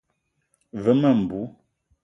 Ve ma mbou.